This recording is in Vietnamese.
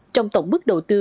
trong tổng bức đầu tư